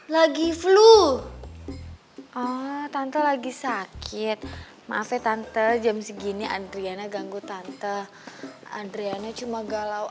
lagi flu tante lagi sakit maafnya tante jam segini andriana ganggu tante andriannya cuma galau